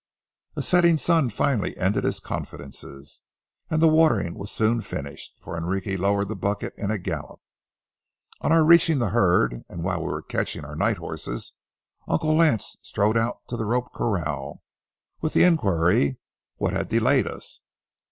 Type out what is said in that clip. [Illustration: FLASHED A MESSAGE BACK] A setting sun finally ended his confidences, and the watering was soon finished, for Enrique lowered the bucket in a gallop. On our reaching the herd and while we were catching our night horses, Uncle Lance strode out to the rope corral, with the inquiry, what had delayed us.